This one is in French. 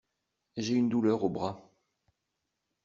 J’ai une douleur au bras.